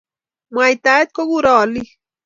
Mwaitaet kukurei alik